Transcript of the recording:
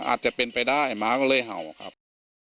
อาจจะเป็นไปได้ม้าก็เลยเห่าครับ